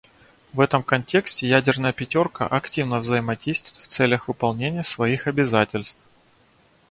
В этом контексте ядерная "пятерка" активно взаимодействует в целях выполнения своих обязательств.